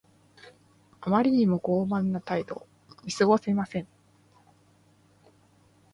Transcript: あまりにも傲慢な態度。見過ごせません。